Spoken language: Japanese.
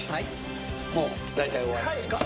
もう大体終わりですか？